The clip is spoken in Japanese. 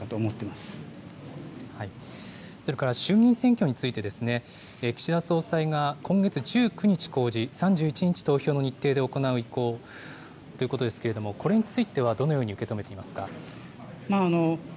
それから衆議院選挙について、岸田総裁が今月１９日公示、３１日投票の日程で行う意向ということですけれども、これについては、どのように受け止めていますか。